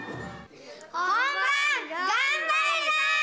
本番、頑張るぞ！